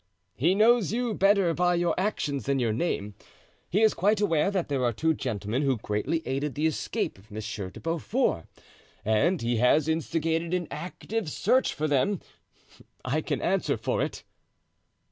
"He knows you better by your actions than your name; he is quite aware that there are two gentlemen who greatly aided the escape of Monsieur de Beaufort, and he has instigated an active search for them, I can answer for it."